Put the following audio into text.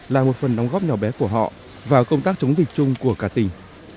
là một phần đóng góp nhỏ bé của họ vào công tác chống dịch chung của cả tỉnh